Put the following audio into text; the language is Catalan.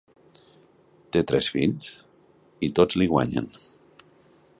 Té tres fills, i tots li guanyen.